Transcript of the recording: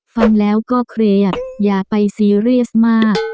ฟังแล้วก็เครียดอย่าไปซีเรียสมาก